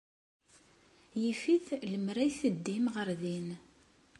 Yif-it lemmer d ay teddim ɣer din.